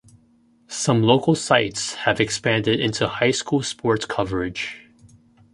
Some local sites have expanded into high school sports coverage.